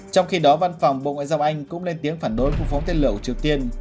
trong khi đó văn phòng bộ ngoại giao anh cũng lên tiếng phản đối khu phóng tên lửa triều tiên